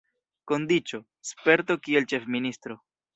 Kondiĉo: sperto kiel ĉefministro.